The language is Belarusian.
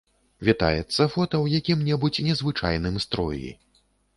Вітаецца фота ў якім-небудзь незвычайным строі.